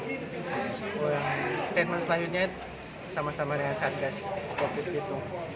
statement selanjutnya sama sama dengan satgas covid sembilan belas